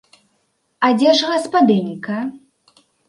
А дзе ж гаспадынька?